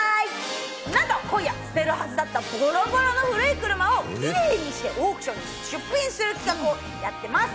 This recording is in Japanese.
なんと今夜、捨てるはずだったボロボロの古い車をキレイにして、オークションに出品する企画をやってます！